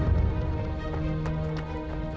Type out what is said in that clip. nanti aku akan datang